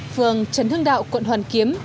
phường trấn hương đạo quận hoàn kiếm